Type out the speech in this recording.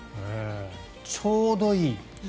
ちょうどいい。